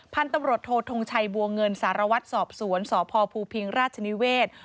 พันธุ์ตำรวจโททงชัยบัวเงินสารวัตรสอบสวนสพภูพิงราชนิเวศ